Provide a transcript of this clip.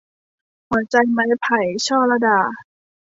หัวใจไม้ไผ่ - ช่อลัดา